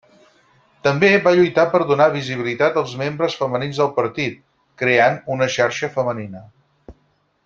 També va lluitar per donar visibilitat als membres femenins del partit, creant una xarxa femenina.